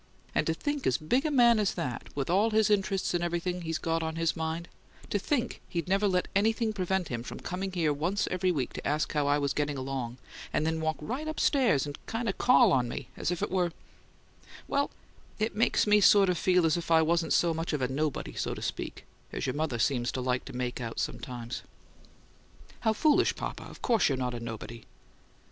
And to think as big a man as that, with all his interests and everything he's got on his mind to think he'd never let anything prevent him from coming here once every week to ask how I was getting along, and then walk right upstairs and kind of CALL on me, as it were well, it makes me sort of feel as if I wasn't so much of a nobody, so to speak, as your mother seems to like to make out sometimes." "How foolish, papa! Of COURSE you're not 'a nobody.'"